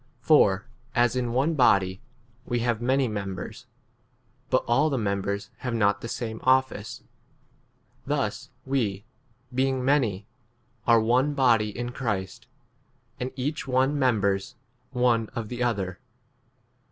For, as in one body, we have many members, but all the members have not the same office ; 5 thus we, [being] many, are one body in Christ, and each one mem 6 bers one of the other.